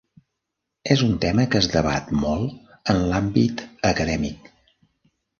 És un tema que es debat molt en l'àmbit acadèmic.